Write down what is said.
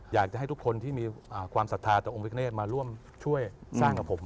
อยากจะให้ทุกคนที่มีความศรัทธาต่อองค์พิกเนธมาร่วมช่วยสร้างกับผม